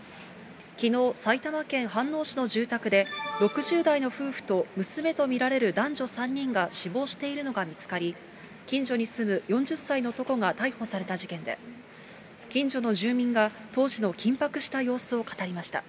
きのう、埼玉県飯能市の住宅で、６０代の夫婦と娘と見られる男女３人が死亡しているのが見つかり、近所に住む４０歳の男が逮捕された事件で、近所の住民が当時の緊迫した様子を語りました。